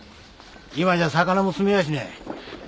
今じゃ魚も住めやしねえ。